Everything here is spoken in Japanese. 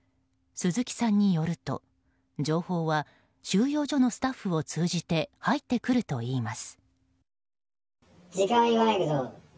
鈴木さんによると、情報は収容所のスタッフを通じて入ってくるといいます。